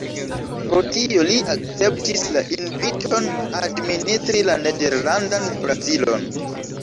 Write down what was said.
Pro tio, li akceptis la inviton administri la Nederlandan Brazilon.